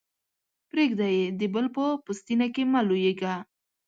پرېږده يې؛ د بل په پوستينه کې مه لویېږه.